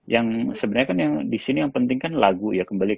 yang sebenarnya kan yang di sini yang penting kan lagu ya